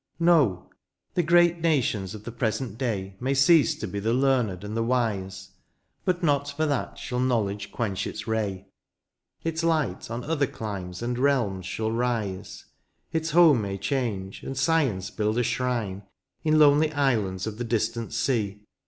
XVIII. No ! the great nations of the present day May cease to be the learned and the wise. But not for that shall knowledge quench its ray. Its light on other climes and realms shall rise : Its home may change, and science build a shrine. In lonely islands of the distant sea.